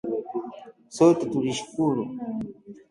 Sote tulishukuru